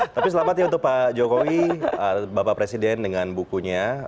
tapi selamat ya untuk pak jokowi bapak presiden dengan bukunya